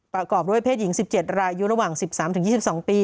ประกอบด้วยเพศหญิง๑๗รายอยู่ระหว่าง๑๓๒๒ปี